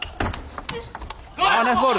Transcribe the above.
ナイスボール！